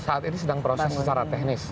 saat ini sedang proses secara teknis